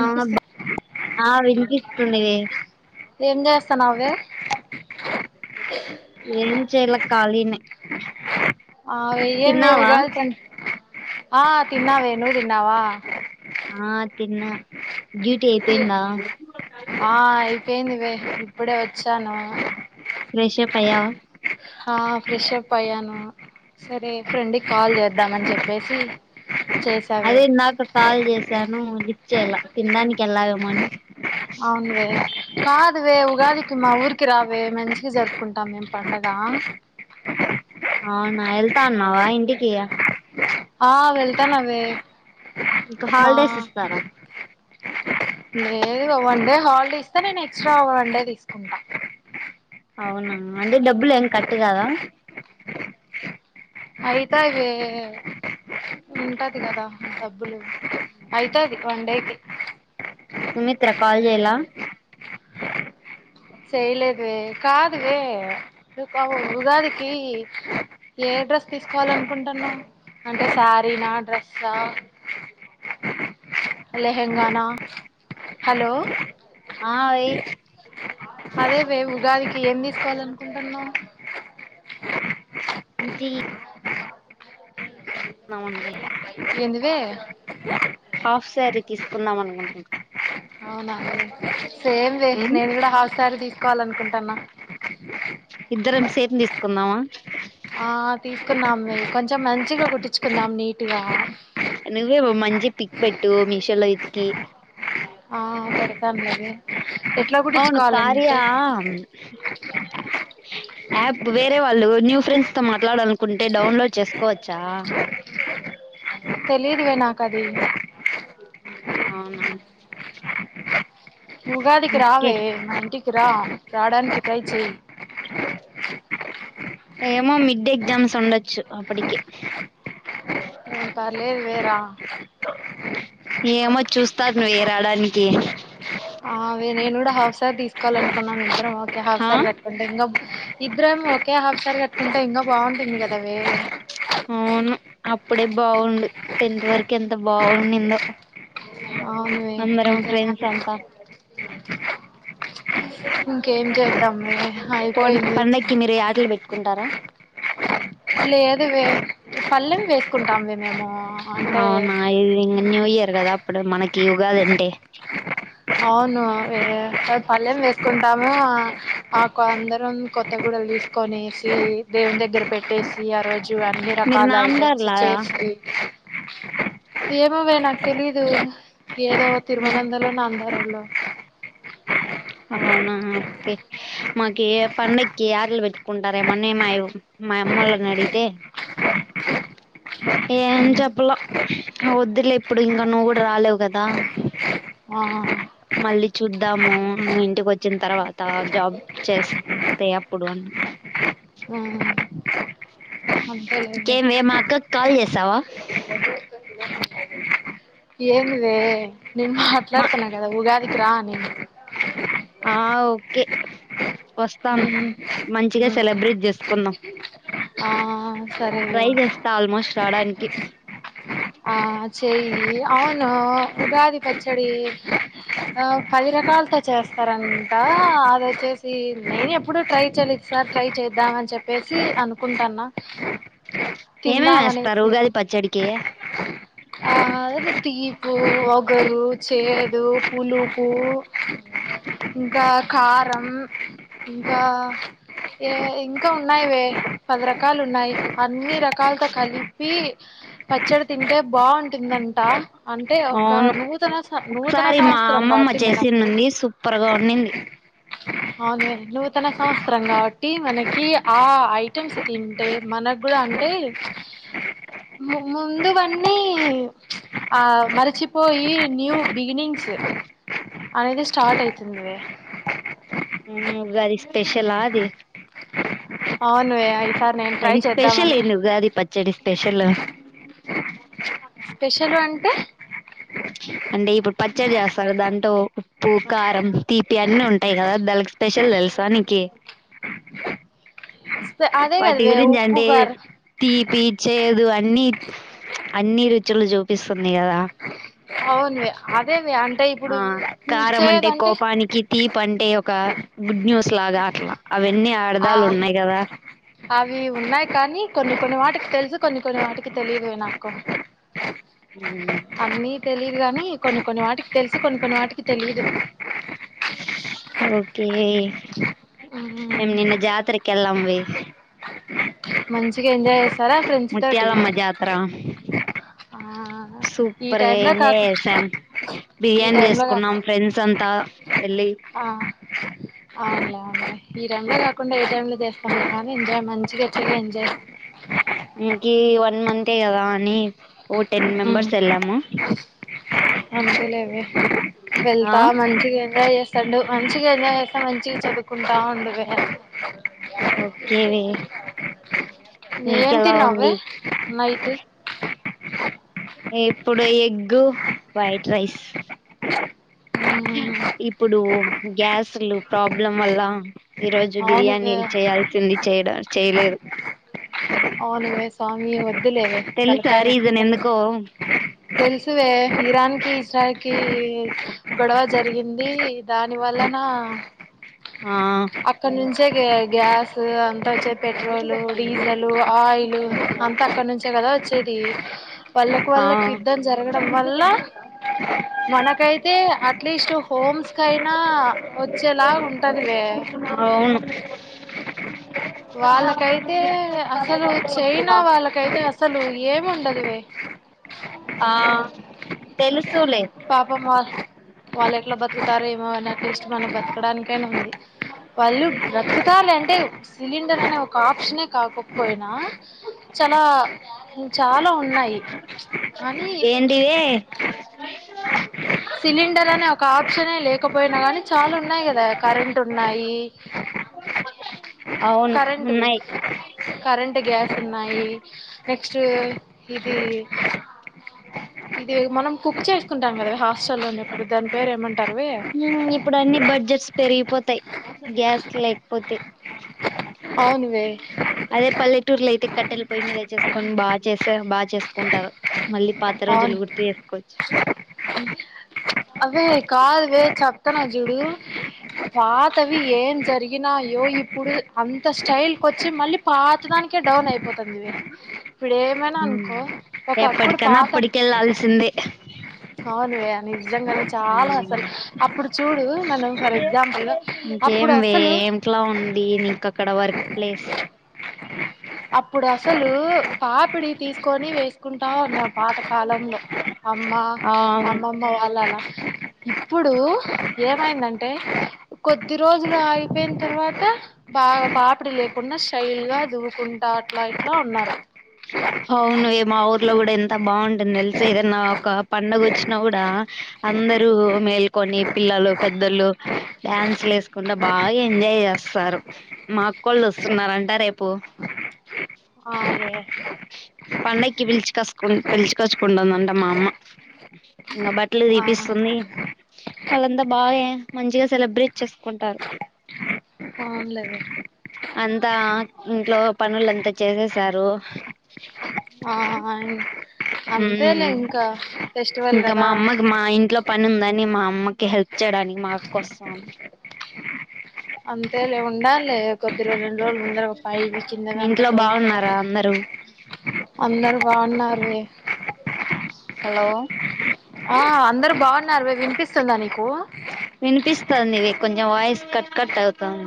ఆ ఆ వినిపిస్తుంది ఏం చేస్తాను అవి ఏం చేయలా ఖాళీనే ఆ ఏమిలేవు తిన్నావా గాలండి ఆ తిన్నావే నువ్ తిన్నావా తిన్న డ్యూటీ అయిపోయిందా అయిపోయిందివే ఇప్పుడే వచ్చాను ఫ్రెషప్ అయ్యావా ఆ ఫ్రెషప్ అయ్యాను సరే ఫ్రెండ్కి కాల్ చేద్దామని చెప్పేసి చేసావే అదే ఇందాక కాల్ చేసాను లిఫ్ట్ చేయాలె తినడానికి వెల్లవేమో అని అవునువే కాదువే ఉగాదికి మా ఊరికి రావే మంచిగా జరుపుకుంటాం మేము పండగ అవునా వెళ్తాన్నావా ఇంటికి ఆ వెళ్తాన్నావే మీకు హాలిడేస్ ఇస్తారా లేదు వన్ డే హాలిడేస్ ఇస్తారు నేను ఎక్స్ట్రా వన్ డే తీసుకుంటాను అవునా అంటే డబ్బులు ఏం కట్ కాదా అయితాయి వే ఉంటది కదా డబ్బులు అయితాది వన్ డేకి సుమిత్ర కాల్ జేయాల చేయలేదువే కాదువే ఉగాదికి ఏ డ్రెస్ తీసుకోవాలనుకుంటున్నావ్ అంటే శారీనా డ్రెస్స లెహెంగానా హలో ఆ యి అదేవే ఉగాదికి ఏం తీసుకోవాలనుకుంటున్నావ్ ఇంటి అనుకో [inaudible] ఏందివే హాఫ్ శారీ తీసుకుందాం అనుకుంటున్నా అవునా సేమ్ వే ఉమ్, నేను కూడా హాఫ్ సారి తీస్ తీసుకోవాలనుకుంటున్నా ఇద్దరం సేమ్ తీసుకుందామా ఆ తీసుకొందాం వే కొంచెం మంచిగా కుట్టించ్చుకుందాం నీటుగా నువ్వే ఓ మంచి పిక్ పెట్టు మీషోలో వేతికి ఆ పెడతాన్లేవే అవును కార్య యాప్ వేరే వాళ్ళు న్యూ ఫ్రెండ్స్ తో మాట్లాడాలనుకుంటే డౌన్లోడ్ చేసుకోవ చ్చా తెలీదువే నాకు అది అవునా ఉగాదికి ఓకే రావే మా ఇంటికి కి రా రాడానిక్ ట్రై చెయ్ ఏమో మిడ్ ఎగ్జామ్స్ ఉండచ్చు అప్పటికి లేదువే రా ఏమో చూస్తాను వే రాడానికి ఆవె నేను ఊడ హాఫ్ సారి తీసుకోవాలి అనుకున్న ఓకే హఫ్ హా సారీ కట్టుకుంట ఇంగ ఇద్దరం ఒకే హాఫ్ సారి కట్టుకుంటే ఇంకా బాఉంటుంది గదవే అవును అప్పుడే బాఉండు టెన్త్ వరక్ ఎంత బాఉండిందో అవునువే అందరం ఫ్రెండ్స్ నిజంగానే అంతా [inaudible] ఇంకేం చేద్దాం పోన్- అయిపోయింది పండక్కి మీరు యాటలు పెట్టుకుంటారా లేదు వే పల్లెం వేసుకుంటామే మేము అంటే అవునా ఇది ఇ న్యూ ఇయర్ గదా అప్పుడు మనకి కి ఉగదంటే అవును అవే పళ్ళెం వేసుకుంటాము అ మాకు అందరం కొత్తగూడలు తీసుకొనేసి దేవున్ దగ్గర పెట్టేసి ఆ రోజు అన్ని మీరు రకాల ఐటమ్స్ నామదారులా చేశి ఏమో వే నాక్ తెలిదు ఏదో ఉమ్. తిరువనందల నాంద తరలో అవునా ఓకే మాకే పండక్కి యటలు పెట్టుకుంటారేమోని మాయో మా అమ్మాల్ని అడిగితే ఏం చెప్లా వద్దులే ఇప్పుడు ఇంకా నువ్వు గూడ రాలేవు గదా ఆ మళ్ళీ చూద్దాము అ ఇంటికి వచ్చిన తర్వాత జాబ్ చేస్తే అప్పుడు అన లేవె కాల్ చేసావా ఏంది వే నేన్ మా మాట్లాడ్తన గదా ఉగాది కి రా అనింది ఆ ఓకె వస్తాం ఉమ్ మంచిగ ఉమ్ సెలబ్రేట్ జేస్కుందాం ఆ సరే నే తాడాన్కి ఆ చేయి అవును ఉగాది పచ్చడి ఆ పది రకాలతో చేస్తారంట అదొచ్చేసి నేను ఎప్పుడు ట్రై చెయిలే ఇ సారి ట్రై చేద్దామ్ అని చెప్పేసి అనుకుంటానా ఏమేమి ఏస్తారు ఉగాది పచ్చడికి ఆ అది తీపు వగరు చేదు పులుపు ఇంకా కారం ఇంకా ఏ ఇంకా ఉన్నాయివే పది రకాలు ఉన్నాయి అ అన్ని రకాల్తొ కలిపి పచ్చడ అంటే బాగుంటుందంట అంటే ఒక అవును నూతన స నూతన ఒకసారి మా సంవస్రం అమ్మమ్మ కాబట్టి మనకు చేసిందండి సూపర్ గా ఉండింది అవునే నూతన సంవత్సరం కాబట్టి మనకి ఆ ఐటమ్స్ తింటే మనకు కూడా అంటే మామ్మ ముందువన్నీ ఆ మరిచిపోయి న్యూ బిగినింగ్స్ అనేది స్టార్ట్ అయి తుందివే ఉగ్గే ఉగాది స్పెషలా అది అవునోయి అయ్ నని స్పెషల్ లే నువ్ ఉగాది పచ్చడి స్పెషల్ స్పెషల్ అం టే అంటే ఇప్పుడు పచ్చడి చేస్తారు దాంట్లో ఉప్పు కారం తీపి అన్ని ఉంటాయి కదా దానికి స్పెషల్ తెలుసా నీకి స్పె- అదే వాటి కదవే గురించి ఉప్పు అంటే కారం తీపి చేదు అన్ని అన్ని రుచులు చూపు అవునువి అదేవి అంటేయ్ ఆ కారం అంటే కోపానికి తీప్ అంటే ఒక గుడ్ న్యూస్ లాగా అట్లా అవన్నీ ఆ అర్ధాలు ఉన్నాయి కదా అవి ఉన్నాయి కానీ కొన్ని కొన్ని వాటికి తెలుసు కొన్ని కొన్ని వాటికి తెలిదువే నాకు ఉ అన్నీ తెలిదు ఇది కాని కొన్ని కొన్ని వాటికి తెలుసు కొన్ని కొన్ని వాటికి తెలియదు ఓకే మేము నిన్న జాతరకు ఏళ్ళాం వే మంచిగా ఎంజాయ్ ఏసు తరా ఫ్రెంచితోటి ముత్యాలమ్మ జాతర ఆ ఈ సూపర్ గా టైమ్ లో ఎంజాయ్ కాకు చేసాం ఈ బిర్యానీ టైమ్ లో కాకు చేసుకున్నాం ఫ్రెండ్స్ అంతా వెళ్ళి ఆ అవునులే ఈ టైం లో కాకుండా ఏ టైం లో చేస్తాం కానీ ఎంజాయ్ మంచిగా చెయ్ ఎంజాయ్ ఇంకి వన్ మంతే కదా అని ఓ టెన్ మెంబర్స్ వెళ్ళమో నచ్చలేవే ఆ వెళ్తా మంచి గైనా ఎల్ సండు మంచిగా ఎంజాయ్ చేస్తా మంచిగా చదువుకుంటా ఉండవే ఓకేవె ఏం నీకెలా తిన్నావే ఉంది నైట్ ఇప్పుడు ఎగ్గు వైట్ రైస్ ఇప్పుడు గ్యాస్లు ప్రాబ్లం వల్ల ఈరోజు బిర్యానీ అవునువే చేయాల్సింది చేయడ చేయలేదు కామీ ఎవర్ ఇది లేవ తెలుసా తలకాయ నే రీజన్ ఎందుకో తెల్సవే ఇరాన్ ఇసకి గొడవ జరిగింది దాని వలన ఆ అక్కడ నుంచే గ గ్యాస్ అ అంత వచ్చేది పెట్రోలు డీజల్ ఆయిల్ అంతా అక్కడ నుంచే కదా వచ్చేది వాళ్ళకు ఆ వళ్ళకి యుద్ధం జరగడం వల్ల మనకైతే అట్లీస్ట్ హోమ్స్ కయినా వచ్చేలా ఉంటది అవును వాళ్ళకైతే అసలు చైనా వాళ్ళకైతే అసలు ఏమి ఉండదు ఆ తెలుసులే పాపం వా వాళ్ళు ఎట్లా బతుకుతారు ఏమో అని అట్లీస్ట్ మనం బతకడానికైనా ఉంది వాళ్ళు బ్రతుకాల అంటే సిలిండర్ అనే ఒక ఆప్షనే కాకపోయినా చాలా చ ఉన్నాయి కానీ ఏంటివే సిలిండర్ అనే ఒ క లేకపోయినా కానీ చాలా ఉన్నాయి కదా కరెంట్ ఉన్నాయి అవును కరెంట్ ఉన్నాయి కరెంట్ గ్యాస్ ఉన్నాయి నెక్స్ట్ ఇది ఇది మనం కుక్ చేసుకుంటాం కదా హాస్ట లోని ఇప్పుడు దాని పేరు ఏమంట ఇప్పుడు అన్ని బడ్జెట్స్ పెరిగిపోతాయి గ్యాస్ లేకపోతే అవునువే అదే పల్లెటూర్లో అయితే కట్టెలు పొయ మీద చేసుకొని బాగా చేస్త చే బాగా చేసుకుంటారు మళ్ళీ పాత రోజులు అవును గుర్తు చేసుకోవ ఏ చెప్పతన జుడు పాతవి ఏం జరిగి గినయ్యో ఇప్పుడు అంత స్టైల్ కొంచెం మళ్ళీ పాత దానీకే డౌన్ అయిపోతుందివి ఇప్పుడే ఎప్పటికన్నా అప్పటికి వెళ్ళాల్సిందే దే చూడు మనం ఫర్ ఎగ్జాంపుల్గా అప్పుడు ఇంకేమి అసలు ఏంట్లా ఉంది ఇంక అక్కడ వర్క్ ప్లేస్ అప్పుడు అసలు పాపిడి తీసుకొని వేసుకుంటాఉన్నాం పాతకాలంలో అమ్మ ఆ అవును అమ్మమ్మ వాళ్ళలా ఇప్పుడు ఏ ఆయిందంటే కొద్ది రోజులు ఆగిపోయిన తర్వాత బ పాపిడిలే కుండా శైల్ గా దువుకుంటా అట్లా ఇట్లా ఉన్నారు అవునువ మా ఊర్లో కూడా ఎంత బాగుంటుంద తెలుసి ఏదన్నా ఒక పడుగ వచ్చినా కూడా అందరుూ మేల్కొని పిల్లలు పెద్దళ్లు డ్యాన్స్లు వేసుకుంటడా బాగా ఎంజాయ్ చేస్తారు మా అక్కోళ్ళు వస్తున్నారు అంట రేపు అదే పండగకి పిలిచి కసుకు పిలిచికచ్చుకుంటుందంట మా అమ్మ ఇంకా బట్టలు ఆ తీీపిస్తుంది వాళ్ళంతా బాగా మంచిగా సెబ్రిట్ చేసుకుంటారు అవునులేవే అంతా ఇంట్లో పనులంతా చేసేసారు ఆ అంతే లే హ్మ్. ఇంకా ఫెస్టివల్ కదా పని ఉందని మా అమ్మకి హెల్ప్ చేయడానికి మా అక్క వస్తా ఉం అంతే లే ఉండా [unintelligible] ఇరవై రెండు రోజులు ముందర ఒక పై కింద మీ అంత ఇంట్లో తోమలి బాగున్నారా కదా అందరూ అందరు బాగున్నారు [inaudible] హలో ఆ అందరు బాగున్నారువ వినిపిస్తుందా నీకు వినిపిస్తంది ఇవి కొంచెం వాయిస్ కట్ కట్ అవుతుంది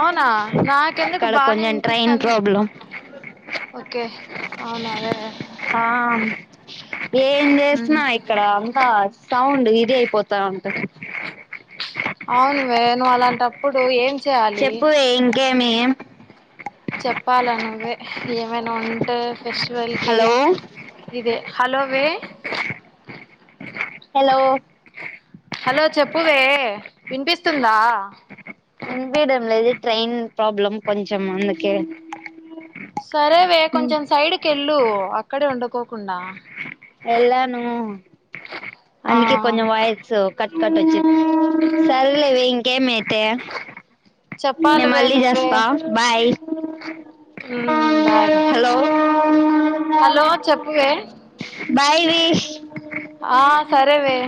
అవునా నాకెందుకు ఇక్కడ బానే కొంచెం ట్రైన్ వినిపిస్తాను ప్రాబ్లం ఓకే అవునావే ఆ ఏం ఉమ్ చేస్తున్నా ఇక్కడ అంతా సౌండ్ ఇది అయిపోతా అంటాది అవును వే నువ్వు అలాంట చెప్పువే ఇంకేమి చెప్పాలను అే ఏమేనా ఉంటే ఫెస్టివల్కి హలో ఇే హలో వే హలో హలో చెప్పువే వినిపిస్తుందా ఇపియడం లేది ట్రైన్ ప్రాబ్లం కొంచం అందుకే సరేవే కొంచెం సైడ్ కె ఇల్లు అక్కడే ఉండకోకుండా ఎలాను ఆ అందుకే కొంచంచం వయసు క కట్టొచ్చింది సరలేవి ఇంకేమయితే చెప్పాలివే నువ్వే బాయ్ హ్మ్ బాయ్ హలో హలో చెప్పువే బాయ్ వి ఆ సరేవే